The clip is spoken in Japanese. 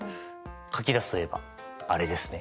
書き出すといえばあれですね。